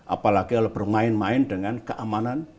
apalagi kalau bermain main dengan keamanan